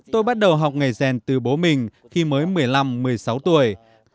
tôi bắt đầu học nghề rèn từ bố mình khi mới một mươi năm một mươi sáu tuổi